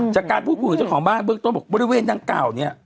จากการพูดคุยกับเจ้าของบ้านเบื้องต้นบอกบริเวณดังกล่าวเนี่ย